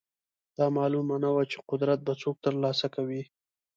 دا معلومه نه وه چې قدرت به څوک ترلاسه کوي.